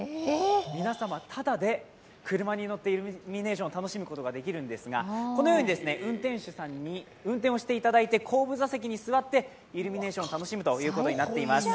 皆様、ただで車に乗ってイルミネーションを楽しむことができるんですが、このように運転手さんに運転をしていただいて、後部座席に座ってイルミネーションを楽しむということになっています。